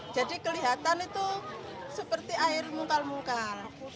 jadi kelihatan itu seperti air mungkal mungkal